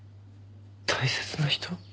大切な人？